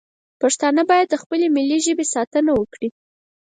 پښتانه باید د خپلې ملي ژبې ساتنه وکړي